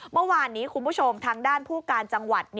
เมื่อวานนี้คุณผู้ชมทางด้านผู้การจังหวัด